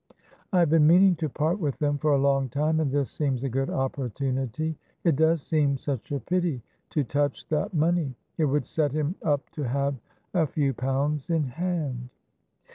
"I have been meaning to part with them for a long time, and this seems a good opportunity; it does seem such a pity to touch that money; it would set him up to have a few pounds in hand."